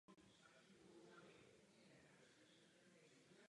Dnes jsme v plénu hlasovali o evropské občanské iniciativě.